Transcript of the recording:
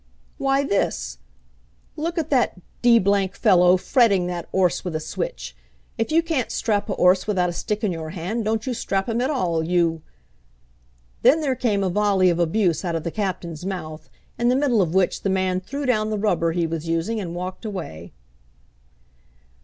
"Why, this! Look at that d fellow fretting that 'orse with a switch. If you can't strap a 'orse without a stick in your hand, don't you strap him at all, you " Then there came a volley of abuse out of the Captain's mouth, in the middle of which the man threw down the rubber he was using and walked away.